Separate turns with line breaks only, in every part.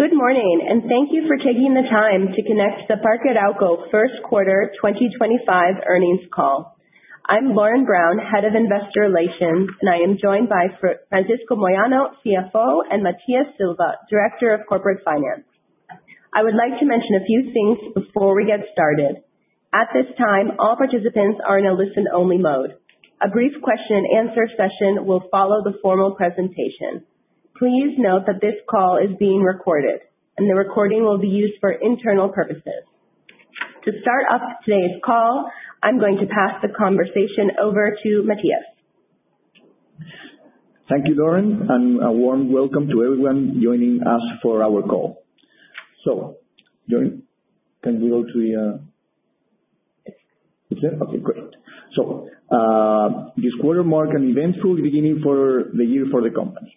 Good morning, and thank you for taking the time to connect to the Parque Arauco First Quarter 2025 Earnings Call. I'm Lauren Brown, Head of Investor Relations, and I am joined by Francisco Moyano, CFO, and Matias Silva, Director of Corporate Finance. I would like to mention a few things before we get started. At this time, all participants are in a listen-only mode. A brief question and answer session will follow the formal presentation. Please note that this call is being recorded, and the recording will be used for internal purposes. To start off today's call, I'm going to pass the conversation over to Matias.
Thank you, Lauren, and a warm welcome to everyone joining us for our call. This quarter marks an eventful beginning for the year for the company.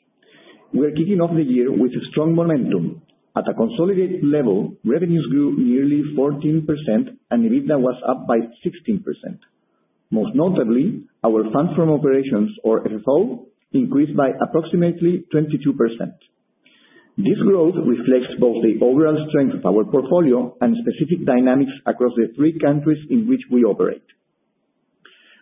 We're kicking off the year with strong momentum. At a consolidated level, revenues grew nearly 14%, and EBITDA was up by 16%. Most notably, our funds from operations, or FFO, increased by approximately 22%. This growth reflects both the overall strength of our portfolio and specific dynamics across the three countries in which we operate.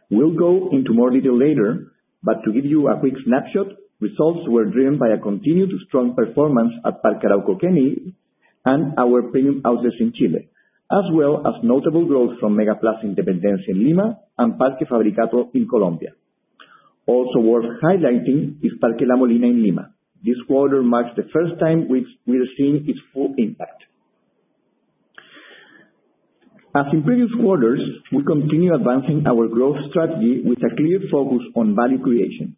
We'll go into more detail later, but to give you a quick snapshot, results were driven by a continued strong performance at Parque Arauco Kennedy and our premium houses in Chile, as well as notable growth from MegaPlaza Inpendencia in Lima and Parque Fabricato in Colombia. Also worth highlighting is Parque La Molina in Lima. This quarter marks the first time which we are seeing its full impact. As in previous quarters, we continue advancing our growth strategy with a clear focus on value creation.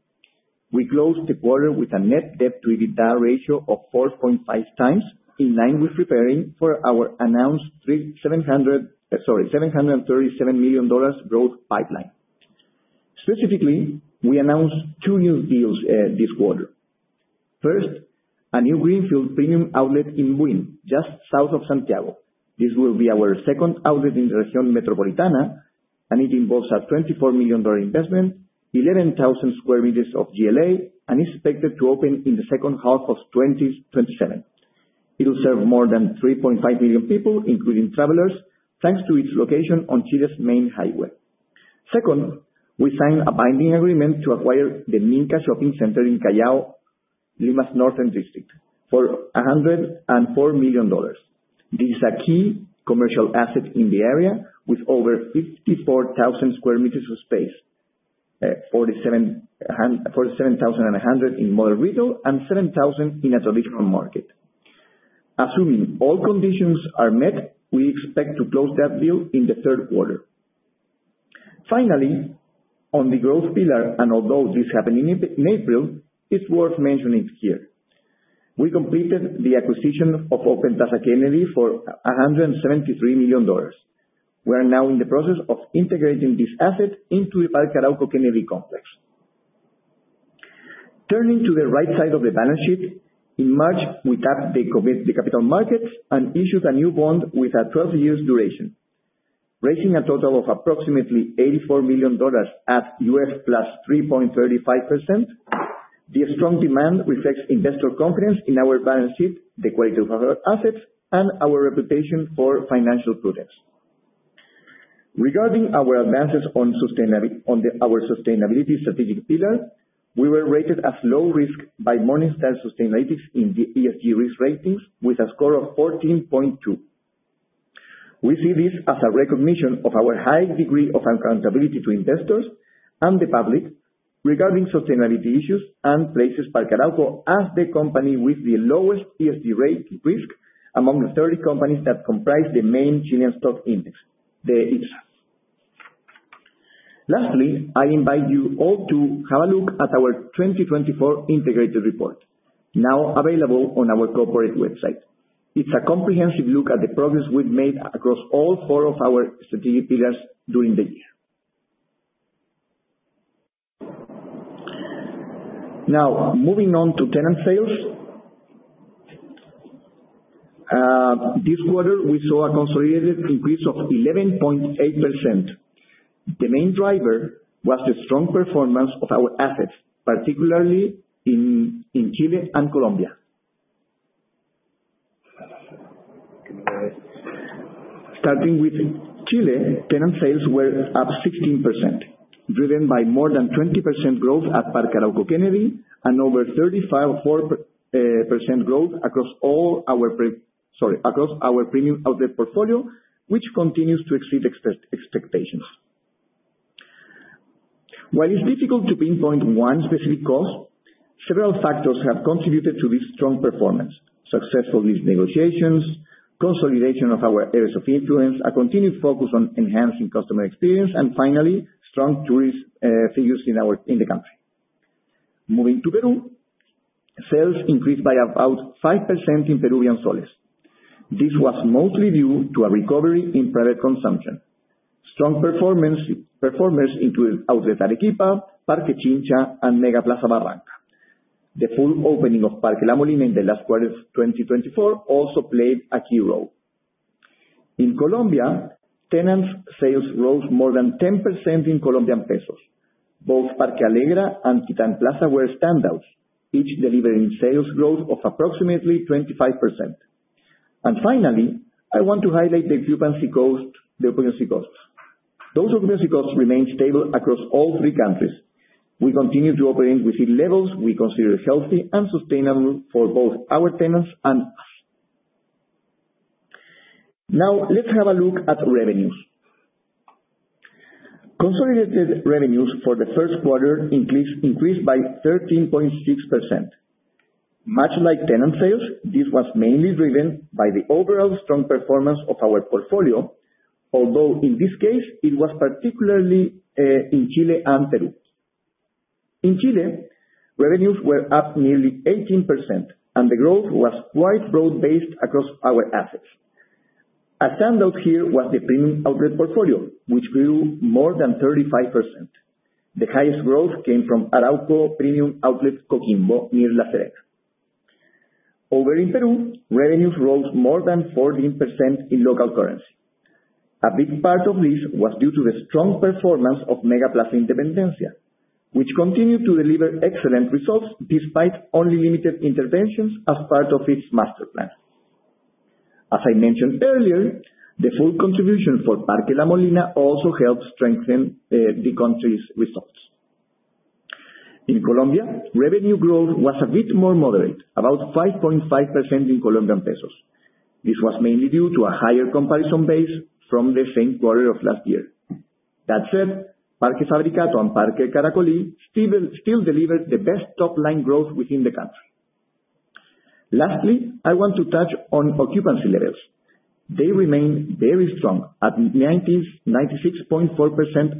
We closed the quarter with a net debt-to-EBITDA ratio of 4.5x, in line with preparing for our announced $737 million growth pipeline. Specifically, we announced two new deals this quarter. First, a new greenfield premium outlet in Buin, just south of Santiago. This will be our second outlet in the Region Metropolitana, and it involves a $24 million investment, 11,000 square meters of GLA, and is expected to open in the second half of 2027. It will serve more than 3.5 million people, including travelers, thanks to its location on Chile's main highway. Second, we signed a binding agreement to acquire the Minka Shopping Center in Callao, Lima's northern district, for $104 million. This is a key commercial asset in the area with over 54,000 square meters of space. 47,100 in mall retail and 7,000 in a traditional market. Assuming all conditions are met, we expect to close that deal in the third quarter. Finally, on the growth pillar, although this happened in April, it's worth mentioning here. We completed the acquisition of Open Plaza Kennedy for $173 million. We are now in the process of integrating this asset into the Parque Arauco Kennedy complex. Turning to the right side of the balance sheet, in March, we tapped the capital markets and issued a new bond with a 12-year duration, raising a total of approximately $84 million at US + 3.35%. The strong demand reflects investor confidence in our balance sheet, the quality of our assets, and our reputation for financial prudence. Regarding our advances on the, our sustainability strategic pillar, we were rated as low risk by Morningstar Sustainalytics in the ESG risk ratings with a score of 14.2. We see this as a recognition of our high degree of accountability to investors and the public regarding sustainability issues and places Parque Arauco as the company with the lowest ESG rate risk among the 30 companies that comprise the main Chilean stock index, the IPSA. Lastly, I invite you all to have a look at our 2024 integrated report, now available on our corporate website. It's a comprehensive look at the progress we've made across all four of our strategic pillars during the year. Now, moving on to tenant sales. This quarter, we saw a consolidated increase of 11.8%. The main driver was the strong performance of our assets, particularly in Chile and Colombia. Starting with Chile, tenant sales were up 16%, driven by more than 20% growth at Parque Arauco Kennedy and over 35% growth across all our premium outlet portfolio, which continues to exceed expectations. While it's difficult to pinpoint one specific cause, several factors have contributed to this strong performance. Successful lease negotiations, consolidation of our areas of influence, a continued focus on enhancing customer experience, and finally, strong tourist figures in our country. Moving to Peru, sales increased by about 5% in Peruvian soles. This was mostly due to a recovery in private consumption. Strong performance into Outlet Arequipa, Parque Chincha, and MegaPlaza Barranca. The full opening of Parque La Molina in the last quarter of 2024 also played a key role. In Colombia, tenants sales rose more than 10% in Colombian pesos. Both Parque Alegra and Titán Plaza were standouts, each delivering sales growth of approximately 25%. I want to highlight the occupancy costs. Those occupancy costs remain stable across all three countries. We continue to operate within levels we consider healthy and sustainable for both our tenants and us. Now let's have a look at revenues. Consolidated revenues for the first quarter increased by 13.6%. Much like tenant sales, this was mainly driven by the overall strong performance of our portfolio. Although in this case, it was particularly in Chile and Peru. In Chile, revenues were up nearly 18%, and the growth was quite broad-based across our assets. A standout here was the premium outlet portfolio, which grew more than 35%. The highest growth came from Arauco Premium Outlet Coquimbo, near La Serena. Over in Peru, revenues rose more than 14% in local currency. A big part of this was due to the strong performance of MegaPlaza Independencia, which continued to deliver excellent results despite only limited interventions as part of its master plan. As I mentioned earlier, the full contribution for Parque La Molina also helped strengthen the country's results. In Colombia, revenue growth was a bit more moderate, about 5.5% in Colombian pesos. This was mainly due to a higher comparison base from the same quarter of last year. That said, Parque Fabricato and Parque Caracolí still delivered the best top-line growth within the country. Lastly, I want to touch on occupancy levels. They remain very strong at 96.4%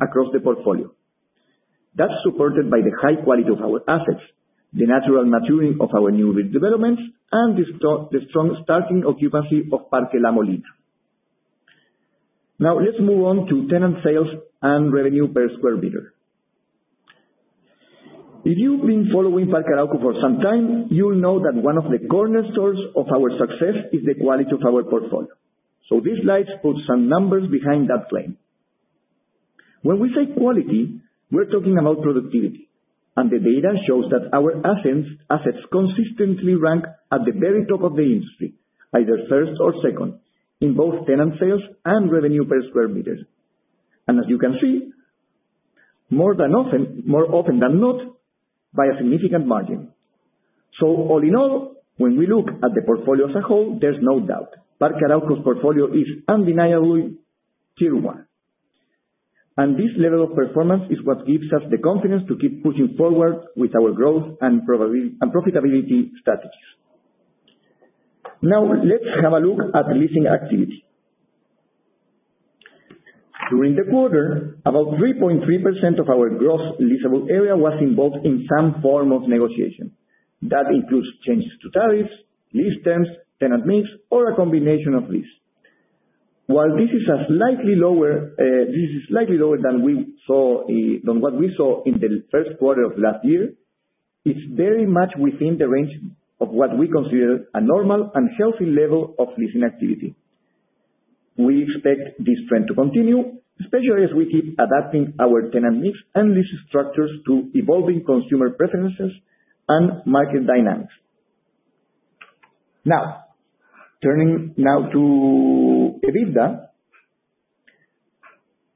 across the portfolio. That's supported by the high quality of our assets, the natural maturing of our new redevelopments, and the strong starting occupancy of Parque La Molina. Now let's move on to tenant sales and revenue per square meter. If you've been following Parque Arauco for some time, you'll know that one of the cornerstones of our success is the quality of our portfolio. These slides put some numbers behind that claim. When we say quality, we're talking about productivity. The data shows that our assets consistently rank at the very top of the industry, either first or second, in both tenant sales and revenue per square meter. As you can see, more often than not, by a significant margin. All in all, when we look at the portfolio as a whole, there's no doubt Parque Arauco's portfolio is undeniably tier one. This level of performance is what gives us the confidence to keep pushing forward with our growth and profitability strategies. Now let's have a look at leasing activity. During the quarter, about 3.3% of our gross leasable area was involved in some form of negotiation. That includes changes to tariffs, lease terms, tenant mix, or a combination of these. While this is slightly lower than what we saw in the first quarter of last year, it's very much within the range of what we consider a normal and healthy level of leasing activity. We expect this trend to continue, especially as we keep adapting our tenant mix and lease structures to evolving consumer preferences and market dynamics. Now, turning to EBITDA.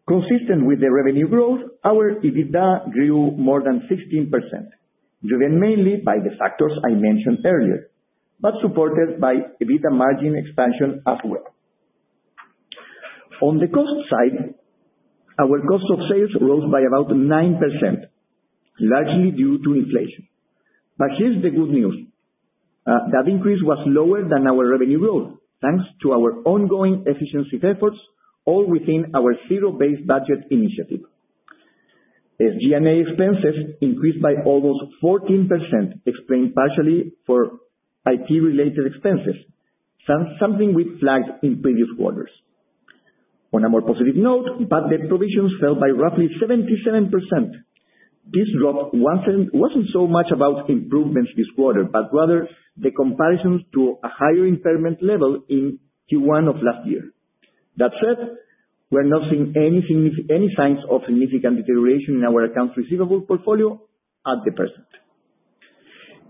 Consistent with the revenue growth, our EBITDA grew more than 16%, driven mainly by the factors I mentioned earlier, but supported by EBITDA margin expansion as well. On the cost side, our cost of sales rose by about 9%, largely due to inflation. Here's the good news. That increase was lower than our revenue growth, thanks to our ongoing efficiency efforts, all within our zero-based budget initiative. As G&A expenses increased by almost 14%, explained partially by IT-related expenses, something we flagged in previous quarters. On a more positive note, the provisions fell by roughly 77%. This drop wasn't so much about improvements this quarter, but rather the comparisons to a higher impairment level in Q1 of last year. That said, we're not seeing any signs of significant deterioration in our accounts receivable portfolio at present.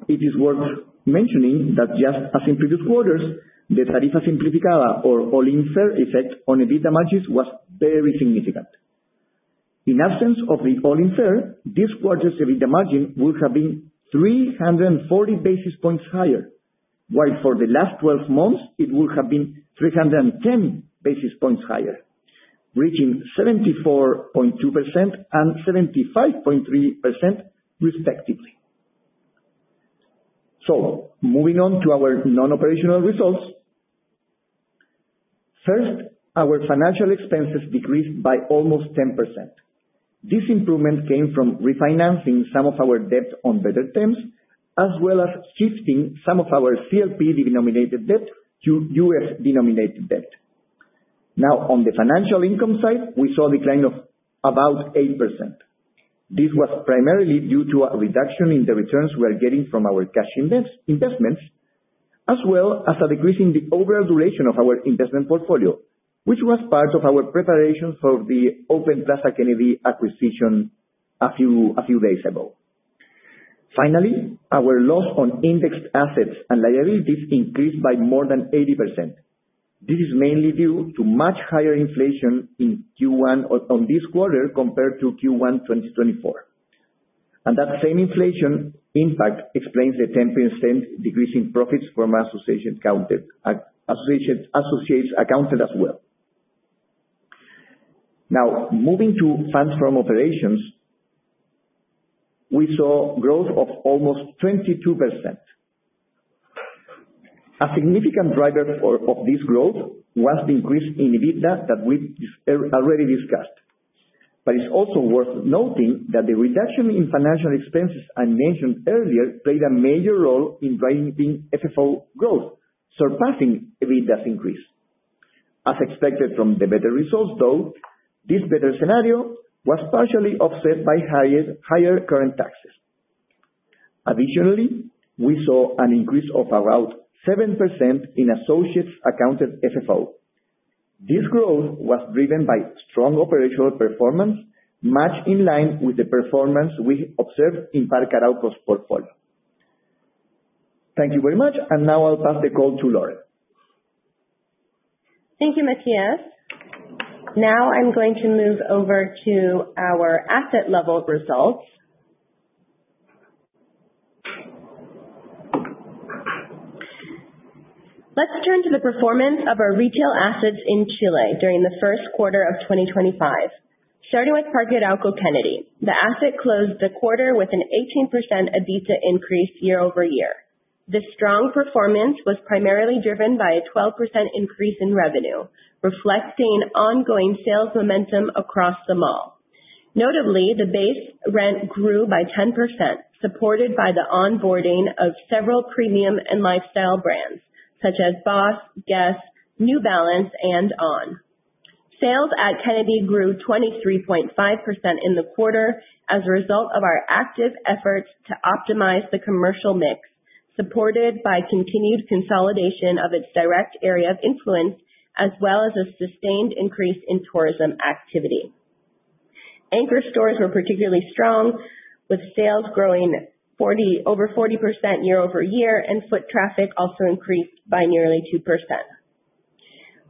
It is worth mentioning that just as in previous quarters, the Tarifa Simplificada or all-in fare effect on EBITDA margins was very significant. In absence of the all-in fare, this quarter's EBITDA margin would have been 340 basis points higher, while for the last twelve months, it would have been 310 basis points higher, reaching 74.2% and 75.3% respectively. Moving on to our non-operational results. First, our financial expenses decreased by almost 10%. This improvement came from refinancing some of our debt on better terms, as well as shifting some of our CLP-denominated debt to USD-denominated debt. Now on the financial income side, we saw a decline of about 8%. This was primarily due to a reduction in the returns we are getting from our cash investments, as well as a decrease in the overall duration of our investment portfolio, which was part of our preparation for the Open Plaza Kennedy acquisition a few days ago. Finally, our loss on indexed assets and liabilities increased by more than 80%. This is mainly due to much higher inflation in Q1 or on this quarter compared to Q1 2024. That same inflation impact explains the 10% decrease in profits from associates accounted as well. Now, moving to funds from operations. We saw growth of almost 22%. A significant driver of this growth was the increase in EBITDA that we've already discussed. It's also worth noting that the reduction in financial expenses I mentioned earlier played a major role in driving the FFO growth, surpassing EBITDA's increase. As expected from the better results, though, this better scenario was partially offset by higher current taxes. Additionally, we saw an increase of around 7% in associates accounted FFO. This growth was driven by strong operational performance, much in line with the performance we observed in Parque Arauco's portfolio. Thank you very much. Now I'll pass the call to Lauren.
Thank you, Matias. Now I'm going to move over to our asset level results. Let's turn to the performance of our retail assets in Chile during the first quarter of 2025. Starting with Parque Arauco Kennedy. The asset closed the quarter with an 18% EBITDA increase year-over-year. This strong performance was primarily driven by a 12% increase in revenue, reflecting ongoing sales momentum across the mall. Notably, the base rent grew by 10%, supported by the onboarding of several premium and lifestyle brands such as BOSS, Guess, New Balance, and On. Sales at Kennedy grew 23.5% in the quarter as a result of our active efforts to optimize the commercial mix, supported by continued consolidation of its direct area of influence, as well as a sustained increase in tourism activity. Anchor stores were particularly strong, with sales growing over 40% year-over-year, and foot traffic also increased by nearly 2%.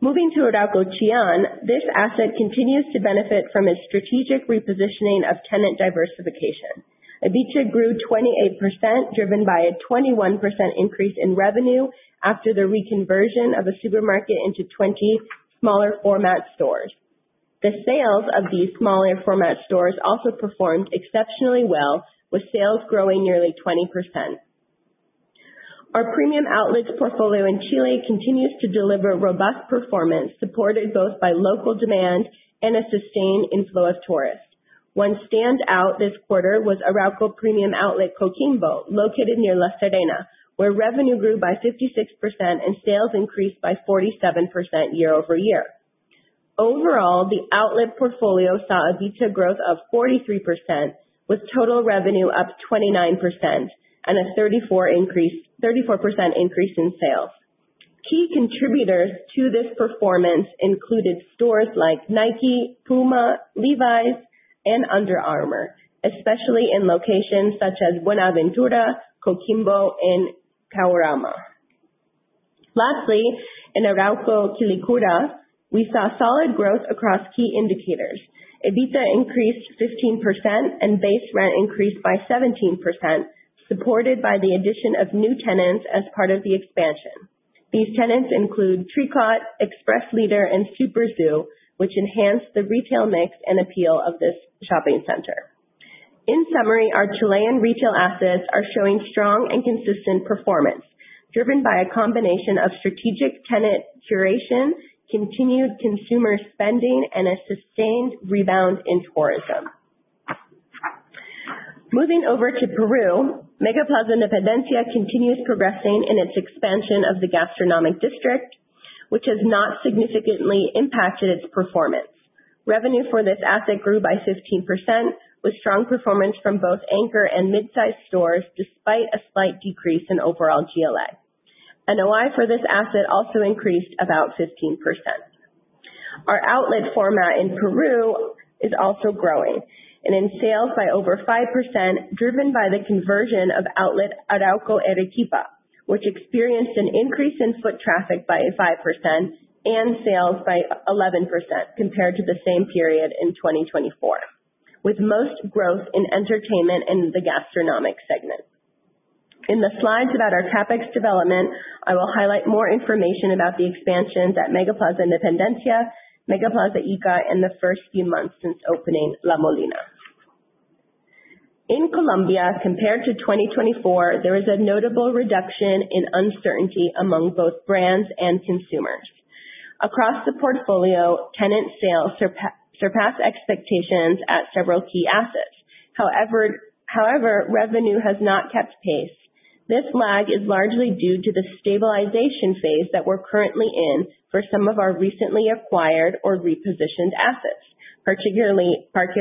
Moving to Arauco Chillán, this asset continues to benefit from a strategic repositioning of tenant diversification. EBITDA grew 28%, driven by a 21% increase in revenue after the reconversion of a supermarket into 20 smaller format stores. The sales of these smaller format stores also performed exceptionally well, with sales growing nearly 20%. Our premium outlets portfolio in Chile continues to deliver robust performance, supported both by local demand and a sustained inflow of tourists. One standout this quarter was Arauco Premium Outlet Coquimbo, located near La Serena, where revenue grew by 56% and sales increased by 47% year-over-year. Overall, the outlet portfolio saw EBITDA growth of 43%, with total revenue up 29% and a 34% increase in sales. Key contributors to this performance included stores like Nike, Puma, Levi's, and Under Armour, especially in locations such as Buenaventura, Coquimbo, and Calama. Lastly, in Arauco Curicó, we saw solid growth across key indicators. EBITDA increased 15% and base rent increased by 17%, supported by the addition of new tenants as part of the expansion. These tenants include Tricot, Express de Líder, and SuperZoo, which enhanced the retail mix and appeal of this shopping center. In summary, our Chilean retail assets are showing strong and consistent performance, driven by a combination of strategic tenant curation, continued consumer spending, and a sustained rebound in tourism. Moving over to Peru, MegaPlaza Independencia continues progressing in its expansion of the gastronomic district, which has not significantly impacted its performance. Revenue for this asset grew by 15%, with strong performance from both anchor and mid-size stores, despite a slight decrease in overall GLA. NOI for this asset also increased about 15%. Our outlet format in Peru is also growing and in sales by over 5%, driven by the conversion of Outlet Arauco Arequipa, which experienced an increase in foot traffic by 5% and sales by 11% compared to the same period in 2024, with most growth in entertainment and the gastronomic segment. In the slides about our CapEx development, I will highlight more information about the expansions at MegaPlaza Independencia, MegaPlaza Ica, and the first few months since opening La Molina. In Colombia, compared to 2024, there is a notable reduction in uncertainty among both brands and consumers. Across the portfolio, tenant sales surpassed expectations at several key assets. However, revenue has not kept pace. This lag is largely due to the stabilization phase that we're currently in for some of our recently acquired or repositioned assets, particularly Parque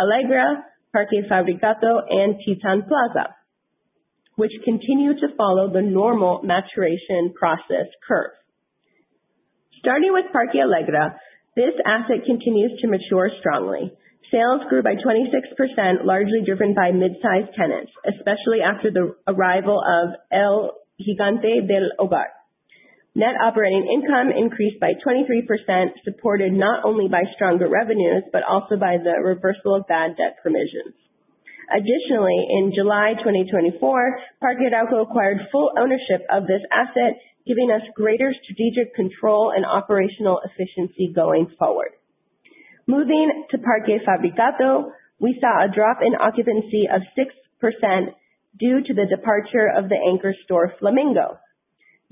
Alegra, Parque Fabricato, and Titan Plaza, which continue to follow the normal maturation process curve. Starting with Parque Alegra, this asset continues to mature strongly. Sales grew by 26%, largely driven by mid-sized tenants, especially after the arrival of El Gigante del Hogar. Net operating income increased by 23%, supported not only by stronger revenues, but also by the reversal of bad debt provisions. Additionally, in July 2024, Parque Arauco acquired full ownership of this asset, giving us greater strategic control and operational efficiency going forward. Moving to Parque Fabricato, we saw a drop in occupancy of 6% due to the departure of the anchor store, Flamingo.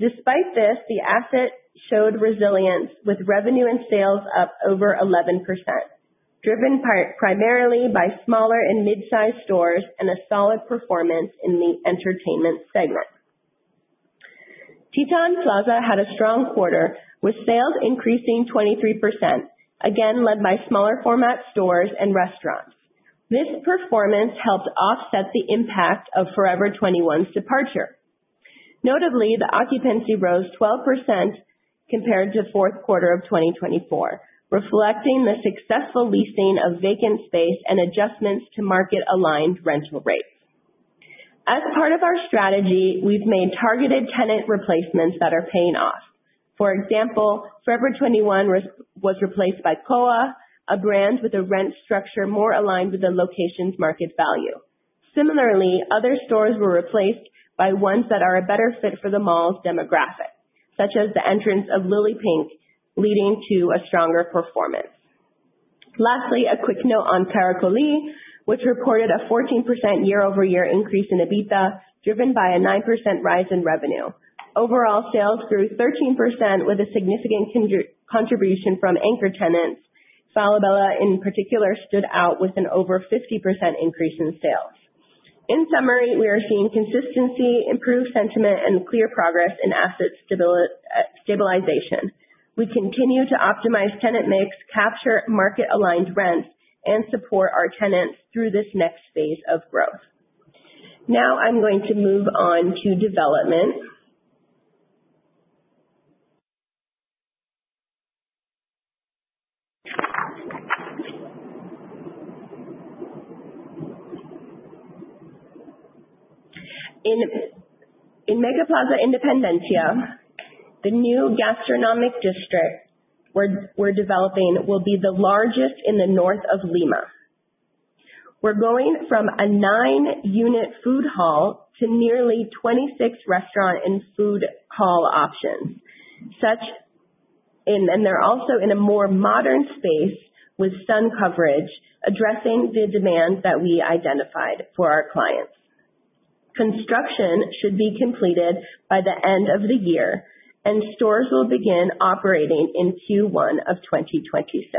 Despite this, the asset showed resilience, with revenue and sales up over 11%, driven primarily by smaller and mid-sized stores and a solid performance in the entertainment segment. Titan Plaza had a strong quarter, with sales increasing 23%, again led by smaller format stores and restaurants. This performance helped offset the impact of Forever 21's departure. Notably, the occupancy rose 12% compared to fourth quarter of 2024, reflecting the successful leasing of vacant space and adjustments to market-aligned rental rates. As part of our strategy, we've made targeted tenant replacements that are paying off. For example, Forever 21 was replaced by Koaj, a brand with a rent structure more aligned with the location's market value. Similarly, other stores were replaced by ones that are a better fit for the mall's demographic, such as the entrance of Lili Pink, leading to a stronger performance. Lastly, a quick note on Caracolí, which reported a 14% year-over-year increase in EBITDA, driven by a 9% rise in revenue. Overall sales grew 13% with a significant contribution from anchor tenants. Falabella, in particular, stood out with an over 50% increase in sales. In summary, we are seeing consistency, improved sentiment, and clear progress in asset stabilization. We continue to optimize tenant mix, capture market-aligned rents, and support our tenants through this next phase of growth. Now I'm going to move on to development. In MegaPlaza Independencia, the new gastronomic district we're developing will be the largest in the north of Lima. We're going from a nine-unit food hall to nearly 26 restaurant and food hall options, and they're also in a more modern space with sun coverage, addressing the demands that we identified for our clients. Construction should be completed by the end of the year, and stores will begin operating in Q1 of 2026.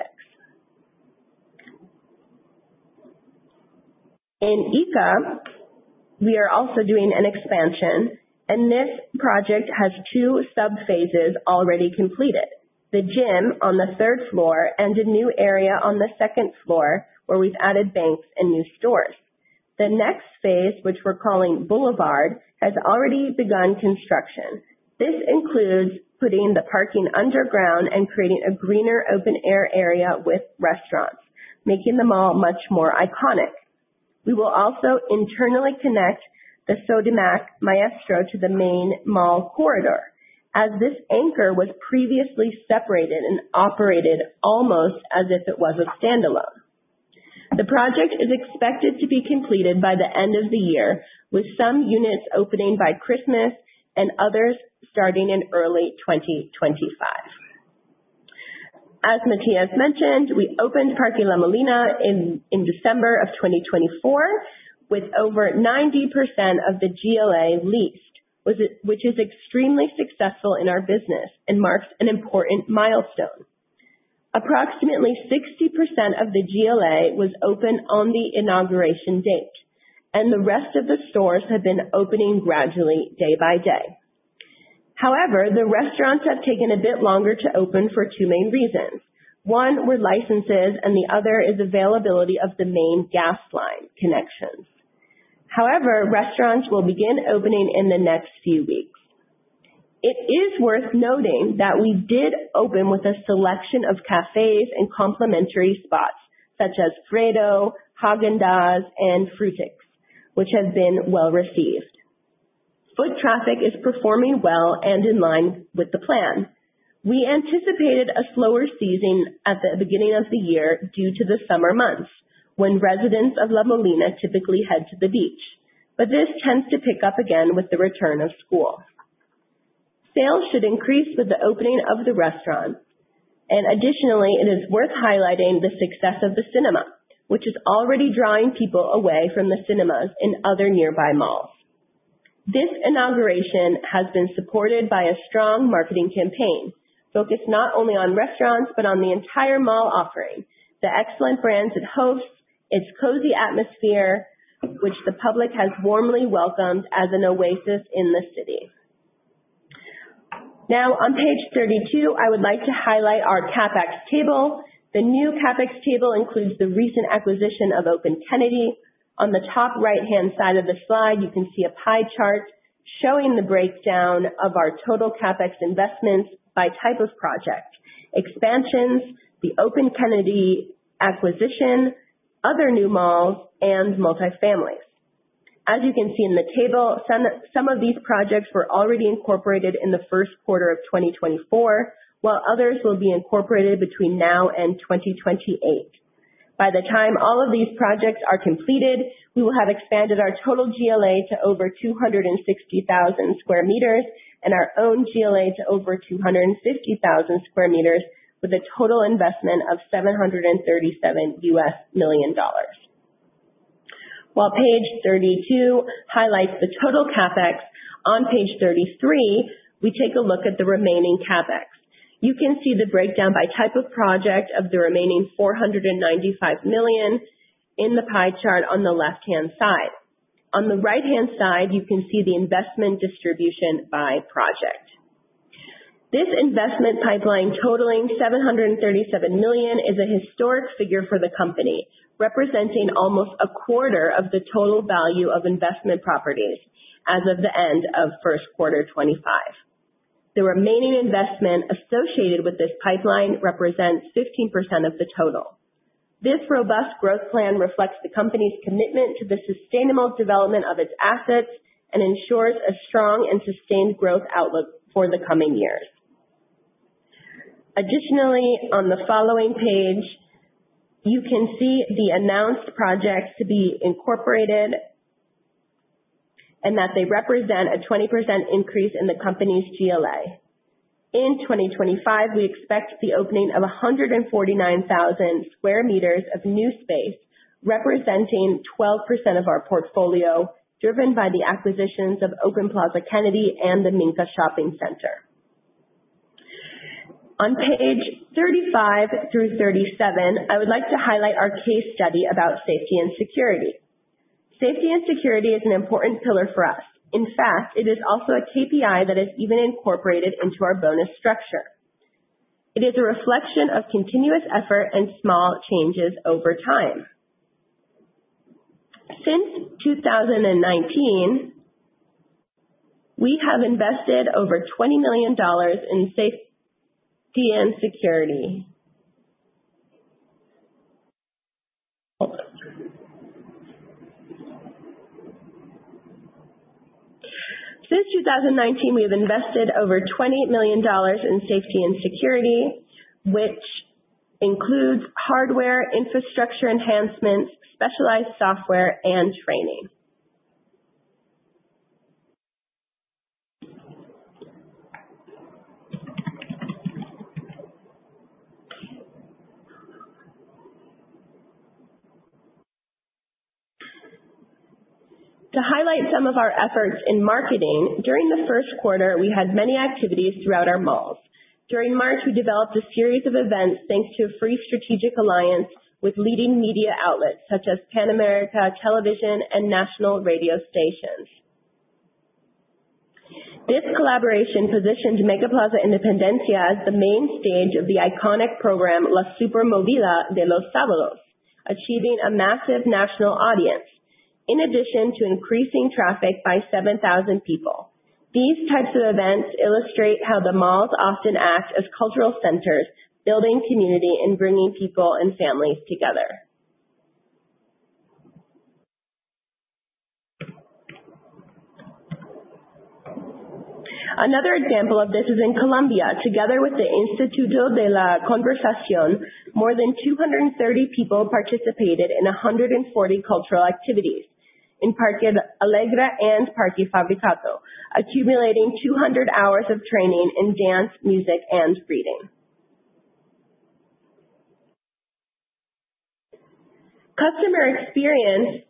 In Ica, we are also doing an expansion, and this project has two subphases already completed. The gym on the third floor and a new area on the second floor, where we've added banks and new stores. The next phase, which we're calling Boulevard, has already begun construction. This includes putting the parking underground and creating a greener open-air area with restaurants, making the mall much more iconic. We will also internally connect the Sodimac Maestro to the main mall corridor, as this anchor was previously separated and operated almost as if it was a standalone. The project is expected to be completed by the end of the year, with some units opening by Christmas and others starting in early 2025. As Matias mentioned, we opened Parque La Molina in December of 2024, with over 90% of the GLA leased, which is extremely successful in our business and marks an important milestone. Approximately 60% of the GLA was open on the inauguration date, and the rest of the stores have been opening gradually day by day. However, the restaurants have taken a bit longer to open for two main reasons. One were licenses and the other is availability of the main gas line connections. However, restaurants will begin opening in the next few weeks. It is worth noting that we did open with a selection of cafes and complimentary spots such as Freddo, Häagen-Dazs and Frutix, which have been well-received. Foot traffic is performing well and in line with the plan. We anticipated a slower season at the beginning of the year due to the summer months, when residents of La Molina typically head to the beach. This tends to pick up again with the return of school. Sales should increase with the opening of the restaurant. Additionally, it is worth highlighting the success of the cinema, which is already drawing people away from the cinemas in other nearby malls. This inauguration has been supported by a strong marketing campaign, focused not only on restaurants, but on the entire mall offering, the excellent brands it hosts. Its cozy atmosphere, which the public has warmly welcomed as an oasis in the city. Now on page 32, I would like to highlight our CapEx table. The new CapEx table includes the recent acquisition of Open Kennedy. On the top right-hand side of the slide, you can see a pie chart showing the breakdown of our total CapEx investments by type of project. Expansions, the Open Kennedy acquisition, other new malls and multi-families. As you can see in the table, some of these projects were already incorporated in the first quarter of 2024, while others will be incorporated between now and 2028. By the time all of these projects are completed, we will have expanded our total GLA to over 260,000 square meters and our own GLA to over 250,000 square meters with a total investment of $737 million. While page 32 highlights the total CapEx, on page 33, we take a look at the remaining CapEx. You can see the breakdown by type of project of the remaining $495 million in the pie chart on the left-hand side. On the right-hand side, you can see the investment distribution by project. This investment pipeline totaling $737 million is a historic figure for the company, representing almost a quarter of the total value of investment properties as of the end of first quarter 2025. The remaining investment associated with this pipeline represents 15% of the total. This robust growth plan reflects the company's commitment to the sustainable development of its assets and ensures a strong and sustained growth outlook for the coming years. On the following page, you can see the announced projects to be incorporated and that they represent a 20% increase in the company's GLA. In 2025, we expect the opening of 149,000 square meters of new space, representing 12% of our portfolio, driven by the acquisitions of Open Plaza Kennedy and the Minka Shopping Center. On page 35 through 37, I would like to highlight our case study about safety and security. Safety and security is an important pillar for us. In fact, it is also a KPI that is even incorporated into our bonus structure. It is a reflection of continuous effort and small changes over time. Since 2019, we have invested over $20 million in safety and security. Since 2019, we have invested over $20 million in safety and security, which includes hardware, infrastructure enhancements, specialized software and training. To highlight some of our efforts in marketing, during the first quarter, we had many activities throughout our malls. During March, we developed a series of events thanks to a free strategic alliance with leading media outlets such as Panamericana Televisión and national radio stations. This collaboration positioned MegaPlaza Independencia as the main stage of the iconic program, La Movida de los Sábados, achieving a massive national audience. In addition to increasing traffic by 7,000 people. These types of events illustrate how the malls often act as cultural centers, building community and bringing people and families together. Another example of this is in Colombia. Together with the Instituto de la Conversación, more than 230 people participated in 140 cultural activities in Parque Alegra and Parque Fabricato, accumulating 200 hours of training in dance, music and reading. Customer experience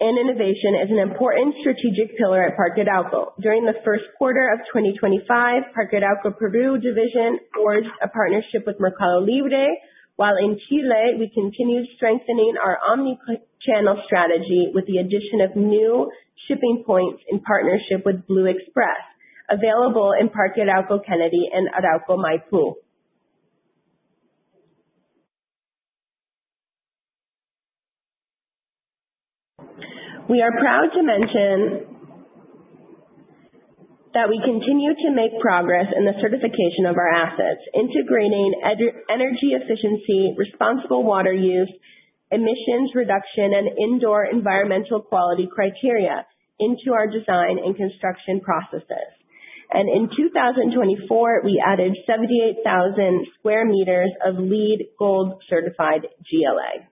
and innovation is an important strategic pillar at Parque Arauco. During the first quarter of 2025, Parque Arauco Peru division forged a partnership with Mercado Libre. While in Chile, we continued strengthening our omnichannel strategy with the addition of new shipping points in partnership with Blue Express, available in Parque Arauco Kennedy and Arauco Maipú. We are proud to mention that we continue to make progress in the certification of our assets, integrating energy efficiency, responsible water use, emissions reduction and indoor environmental quality criteria into our design and construction processes. In 2024, we added 78,000 square meters of LEED Gold certified GLA.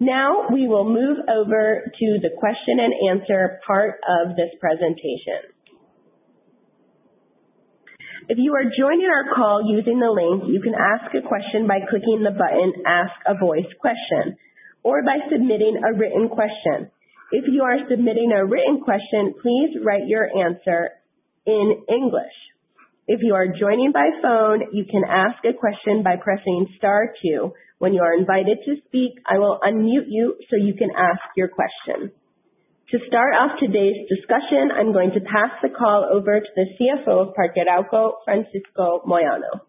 Now, we will move over to the question and answer part of this presentation. If you are joining our call using the link, you can ask a question by clicking the button, Ask a voice question or by submitting a written question. If you are submitting a written question, please write your question in English. If you are joining by phone, you can ask a question by pressing star two. When you are invited to speak, I will unmute you so you can ask your question. To start off today's discussion, I'm going to pass the call over to the CFO of Parque Arauco, Francisco Moyano.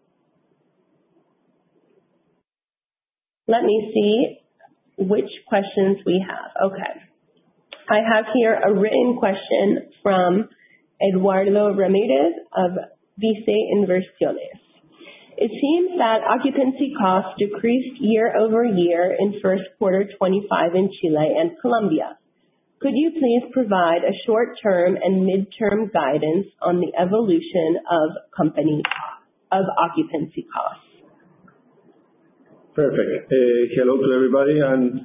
Let me see which questions we have. Okay. I have here a written question from Eduardo Ramírez of BICE Inversiones. It seems that occupancy costs decreased year-over-year in first quarter 2025 in Chile and Colombia. Could you please provide a short term and midterm guidance on the evolution of company of occupancy costs?
Perfect. Hello to everybody, and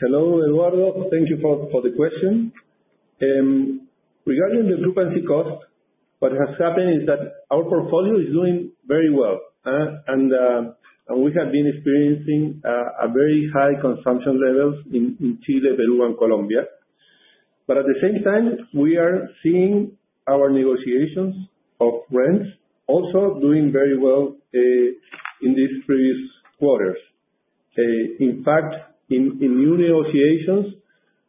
hello, Eduardo. Thank you for the question. Regarding the occupancy cost, what has happened is that our portfolio is doing very well. We have been experiencing a very high consumption levels in Chile, Peru, and Colombia. At the same time, we are seeing our negotiations of rents also doing very well in these previous quarters. In fact, in new negotiations,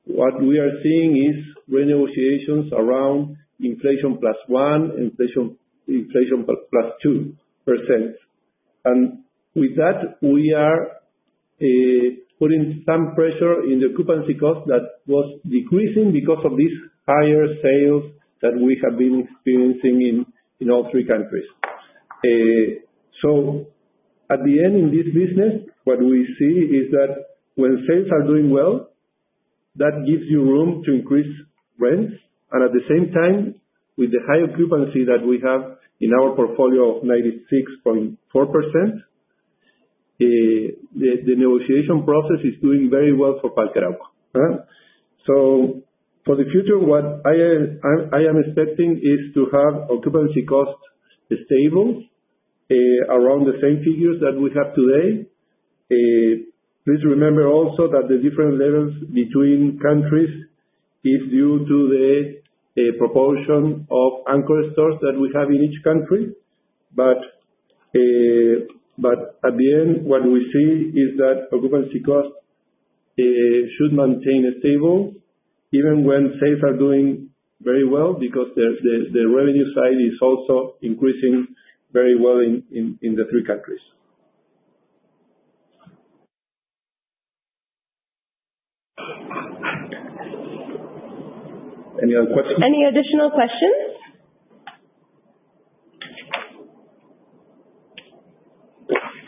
what we are seeing is renegotiations around inflation +1, inflation +2%. With that, we are putting some pressure in the occupancy cost that was decreasing because of these higher sales that we have been experiencing in all three countries. At the end, in this business, what we see is that when sales are doing well, that gives you room to increase rents. At the same time, with the high occupancy that we have in our portfolio of 96.4%, the negotiation process is doing very well for Parque Arauco. For the future, what I am expecting is to have occupancy costs stable around the same figures that we have today. Please remember also that the different levels between countries is due to the proportion of anchor stores that we have in each country. At the end, what we see is that occupancy costs should maintain a stable even when sales are doing very well because the revenue side is also increasing very well in the three countries. Any other questions?
Any additional questions?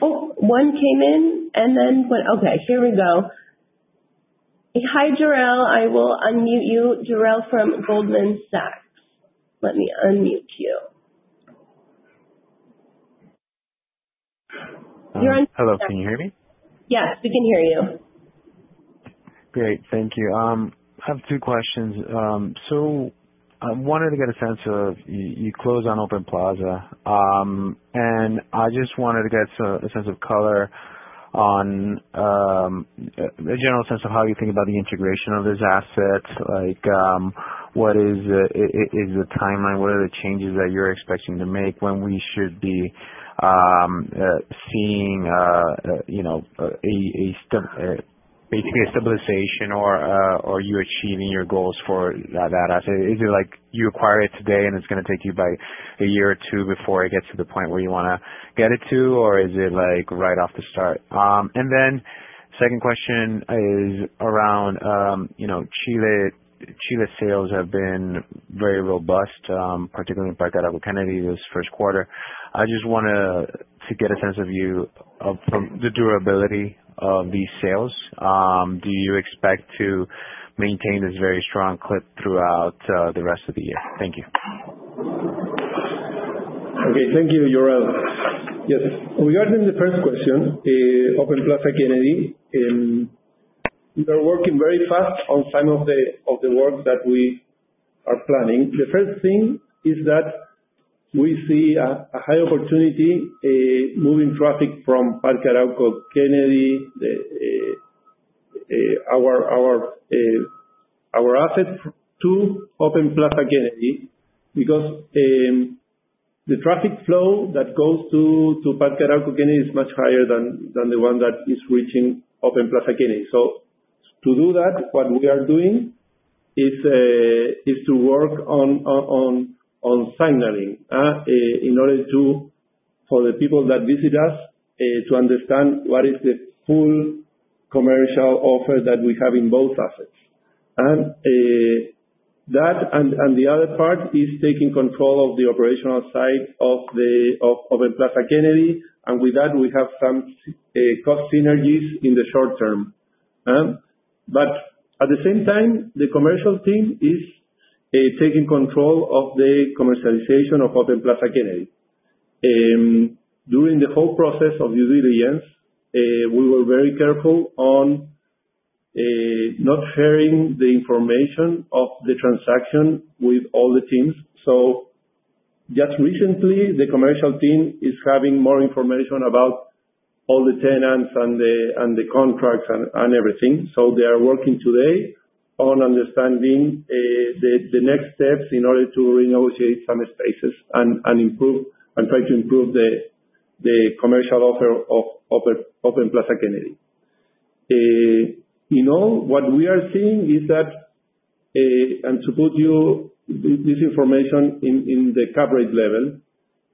Oh, one came in and then went. Okay, here we go. Hi, Jorel. I will unmute you. Jorel from Goldman Sachs. Let me unmute you. You're on.
Hello. Can you hear me?
Yes, we can hear you.
Great. Thank you. I have two questions. I wanted to get a sense of you closed on Open Plaza, and I just wanted to get a sense of color on a general sense of how you think about the integration of those assets. Like, what is the timeline? What are the changes that you're expecting to make when we should be seeing, you know, basically a stabilization or are you achieving your goals for that asset? Is it like you acquire it today, and it's gonna take you about a year or two before it gets to the point where you wanna get it to? Or is it like right off the start? And then second question is around, you know, Chile. Chile sales have been very robust, particularly in Parque Arauco Kennedy this first quarter. I just want to get a sense from you of the durability of these sales. Do you expect to maintain this very strong clip throughout the rest of the year? Thank you.
Okay. Thank you, Jorel. Yes. Regarding the first question, Open Plaza Kennedy, we are working very fast on some of the work that we are planning. The first thing is that we see a high opportunity moving traffic from Parque Arauco Kennedy, our asset to Open Plaza Kennedy, because the traffic flow that goes to Parque Arauco Kennedy is much higher than the one that is reaching Open Plaza Kennedy. To do that, what we are doing is to work on signaling in order to for the people that visit us to understand what is the full commercial offer that we have in both assets. That and the other part is taking control of the operational side of Open Plaza Kennedy. With that, we have some cost synergies in the short term. But at the same time, the commercial team is taking control of the commercialization of Open Plaza Kennedy. During the whole process of due diligence, we were very careful on not sharing the information of the transaction with all the teams. So just recently, the commercial team is having more information about all the tenants and the contracts and everything. So they are working today on understanding the next steps in order to renegotiate some spaces and try to improve the commercial offer of Open Plaza Kennedy. You know, what we are seeing is that, and to put you this information in the coverage level,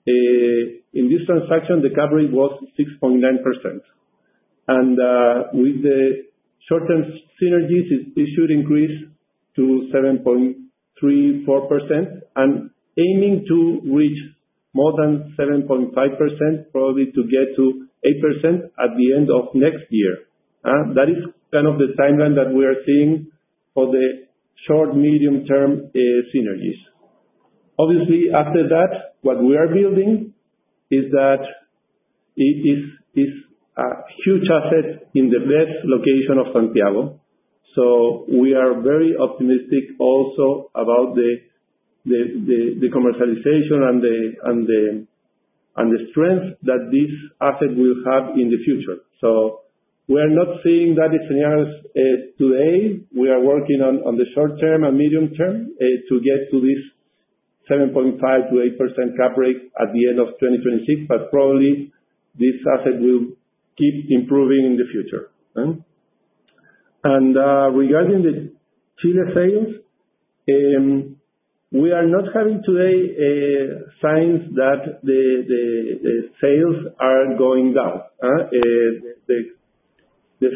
in this transaction, the coverage was 6.9%. With certain synergies, it should increase to 7.34%. Aiming to reach more than 7.5%, probably to get to 8% at the end of next year. That is kind of the timeline that we are seeing for the short, medium-term synergies. Obviously, after that, what we are building is that it is a huge asset in the best location of Santiago. We are very optimistic also about the commercialization and the strength that this asset will have in the future. We are not seeing that in synergies today. We are working on the short term and medium term to get to this 7.5%-8% cap rate at the end of 2026, but probably this asset will keep improving in the future. Regarding the Chile sales, we are not having today signs that the sales are going down. The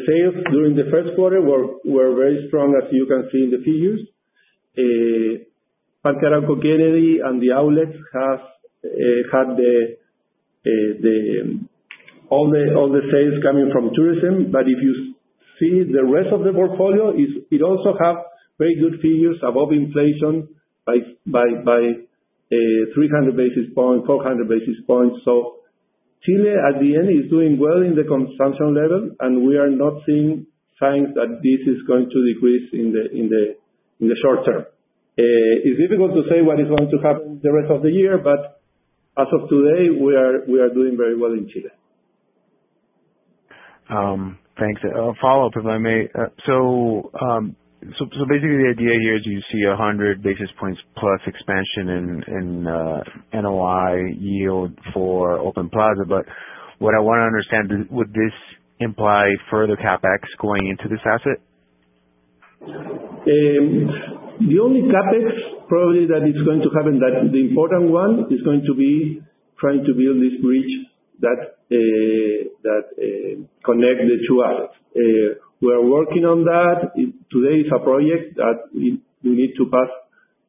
sales during the first quarter were very strong, as you can see in the figures. Parque Arauco Kennedy and The Outlets has had all the sales coming from tourism. But if you see the rest of the portfolio, it also has very good figures above inflation by 300 basis points, 400 basis points. Chile at the end is doing well in the consumption level, and we are not seeing signs that this is going to decrease in the short term. It's difficult to say what is going to happen the rest of the year, but as of today, we are doing very well in Chile.
Thanks. A follow-up, if I may. Basically the idea here is you see 100 basis points plus expansion in NOI yield for Open Plaza. What I wanna understand, would this imply further CapEx going into this asset?
The only CapEx probably that is going to happen, the important one, is going to be trying to build this bridge that connect the two assets. We are working on that. It today is a project that we need to pass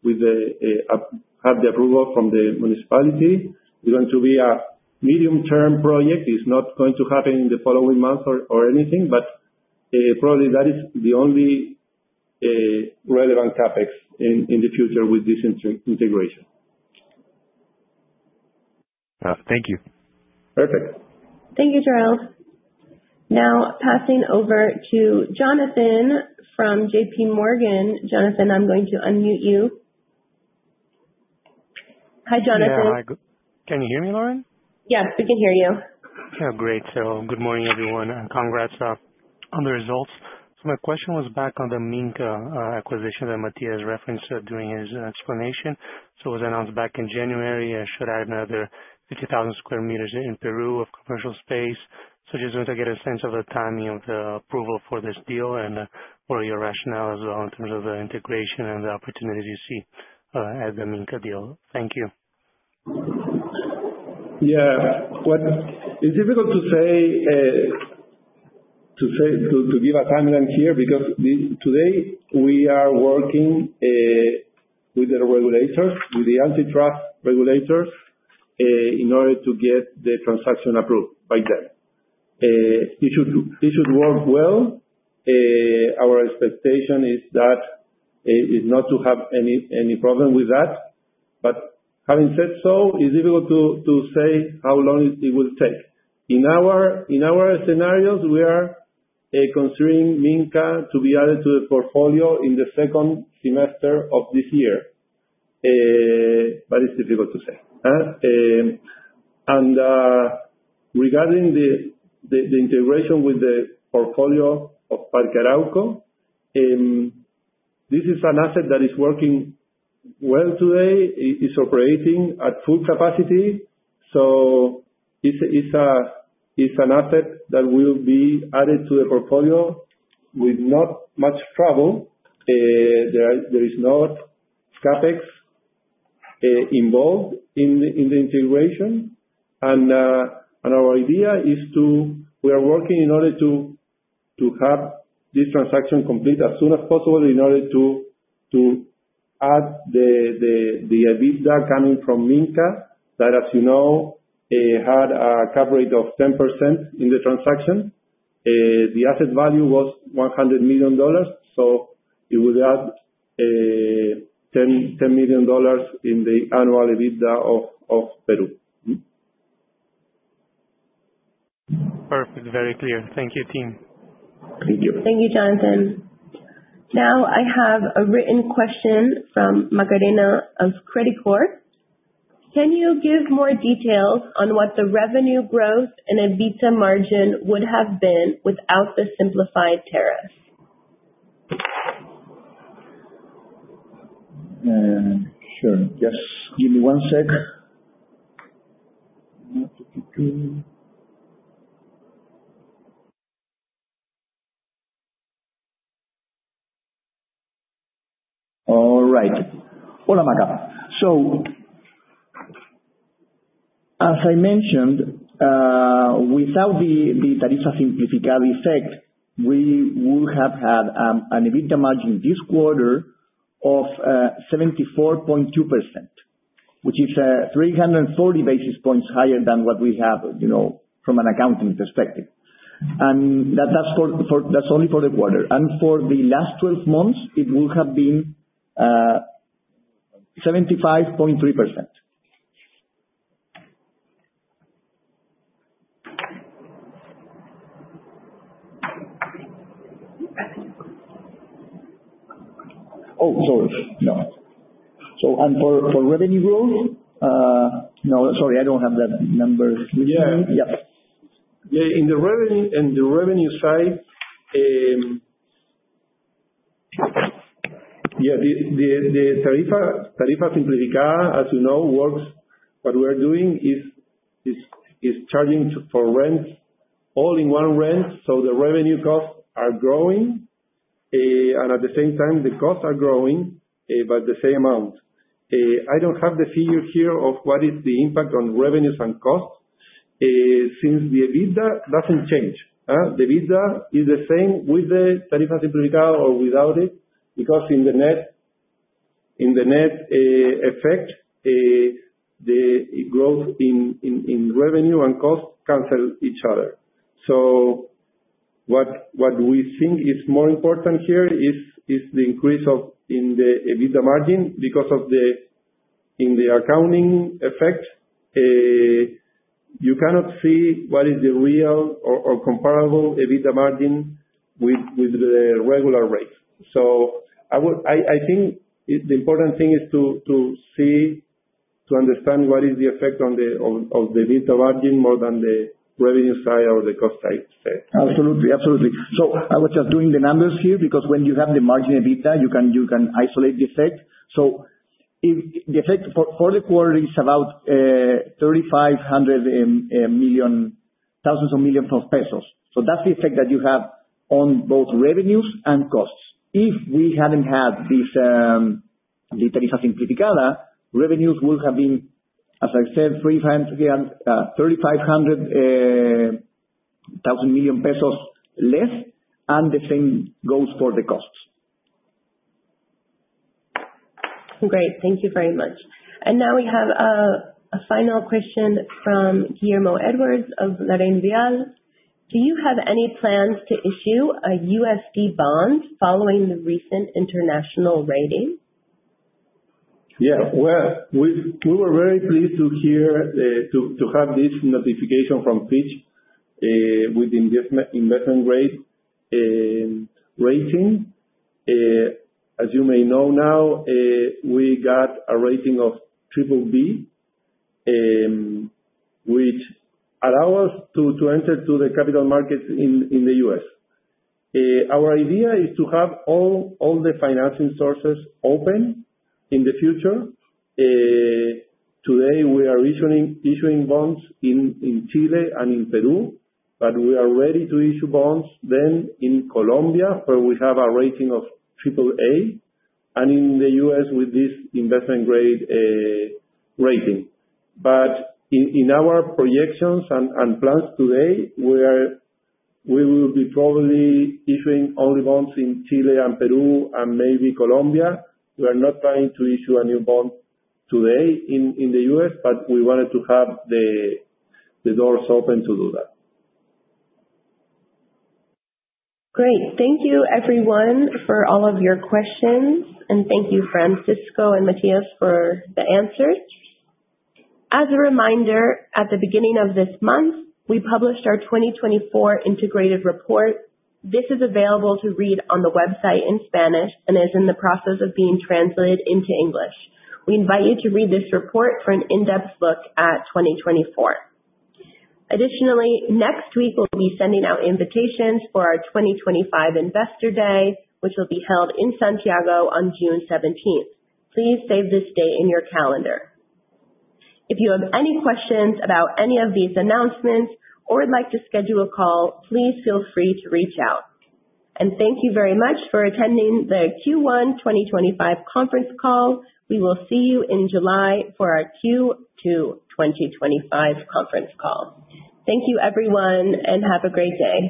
with a have the approval from the municipality. It's going to be a medium term project. It's not going to happen in the following month or anything, but probably that is the only relevant CapEx in the future with this integration.
Thank you.
Perfect.
Thank you, Jorel. Now passing over to Jonathan from JP Morgan. Jonathan, I'm going to unmute you. Hi, Jonathan.
Yeah. Hi. Can you hear me, Lauren?
Yes, we can hear you.
Good morning, everyone, and congrats on the results. My question was back on the Minka acquisition that Matias referenced during his explanation. It was announced back in January, should add another 50,000 square meters in Peru of commercial space. Just want to get a sense of the timing of the approval for this deal and what are your rationale as well in terms of the integration and the opportunities you see at the Minka deal. Thank you.
Yeah. It's difficult to give a timeline here because today we are working with the regulators, with the antitrust regulators, in order to get the transaction approved by them. It should work well. Our expectation is that is not to have any problem with that. Having said so, it's difficult to say how long it will take. In our scenarios, we are considering Minka to be added to the portfolio in the second semester of this year. It's difficult to say. Regarding the integration with the portfolio of Parque Arauco, this is an asset that is working well today. It is operating at full capacity, so it's an asset that will be added to the portfolio with not much trouble. There is not CapEx involved in the integration. We are working in order to have this transaction complete as soon as possible in order to add the EBITDA coming from Minka. That, as you know, had a coverage of 10% in the transaction. The asset value was $100 million, so it would add $10 million in the annual EBITDA of Peru.
Perfect. Very clear. Thank you, team.
Thank you.
Thank you, Jonathan. Now I have a written question from Macarena of Credicorp. Can you give more details on what the revenue growth and EBITDA margin would have been without the simplified tariffs?
Sure. Just give me one sec. All right. Hola, Maga. As I mentioned, without the Tarifa Simplificada effect, we would have had an EBITDA margin this quarter of 74.2%, which is 340 basis points higher than what we have, you know, from an accounting perspective. That's only for the quarter. For the last 12 months, it would have been 75.3%. Oh, sorry. No. For revenue growth, no, sorry, I don't have that number.
Yeah.
Yeah.
In the revenue side. The Tarifa Simplificada, as you know, works. What we're doing is charging for rent all in one rent, so the revenue costs are growing, and at the same time the costs are growing by the same amount. I don't have the figures here of what is the impact on revenues and costs, since the EBITDA doesn't change. The EBITDA is the same with the Tarifa Simplificada or without it, because in the net effect, the growth in revenue and costs cancel each other. What we think is more important here is the increase in the EBITDA margin because of the. In the accounting effect, you cannot see what is the real or comparable EBITDA margin with the regular rates. I think the important thing is to see, to understand what is the effect on the EBITDA margin more than the revenue side or the cost side.
Absolutely. I was just doing the numbers here because when you have the margin EBITDA, you can isolate the effect. If the effect for the quarter is about 3,500 million pesos. That's the effect that you have on both revenues and costs. If we hadn't had this, the Tarifa Simplificada, revenues would have been, as I said, three times again 3,500 million pesos less, and the same goes for the costs.
Great. Thank you very much. Now we have a final question from Guillermo Edwards of LarrainVial. Do you have any plans to issue a USD bond following the recent international rating?
Yeah. Well, we were very pleased to hear to have this notification from Fitch with investment grade rating. As you may know now, we got a rating of triple B, which allow us to enter to the capital markets in the US. Our idea is to have all the financing sources open in the future. Today we are issuing bonds in Chile and in Peru, but we are ready to issue bonds then in Colombia, where we have a rating of triple A, and in the US with this investment grade rating. In our projections and plans today, we will be probably issuing only bonds in Chile and Peru and maybe Colombia. We are not trying to issue a new bond today in the US, but we wanted to have the doors open to do that.
Great. Thank you everyone for all of your questions. Thank you, Francisco and Matias for the answers. As a reminder, at the beginning of this month, we published our 2024 integrated report. This is available to read on the website in Spanish and is in the process of being translated into English. We invite you to read this report for an in-depth look at 2024. Additionally, next week we'll be sending out invitations for our 2025 Investor Day, which will be held in Santiago on June seventeenth. Please save this date in your calendar. If you have any questions about any of these announcements or would like to schedule a call, please feel free to reach out. Thank you very much for attending the Q1-2025 conference call. We will see you in July for our Q2-2025 conference call. Thank you everyone, and have a great day.